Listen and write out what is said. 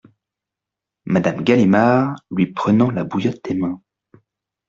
Madame Galimard , lui prenant la bouillotte des mains.